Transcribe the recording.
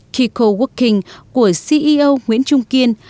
khi coworking của ceo nguyễn trung quỳnh